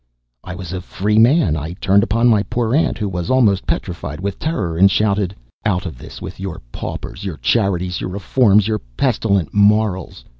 I was a free man! I turned upon my poor aunt, who was almost petrified with terror, and shouted: "Out of this with your paupers, your charities, your reforms, your pestilent morals!